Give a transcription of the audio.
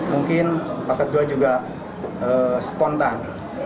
mungkin pak ketua juga spontan